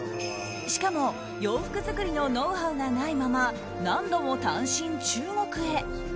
しかも洋服作りのノウハウがないまま何度も単身、中国へ。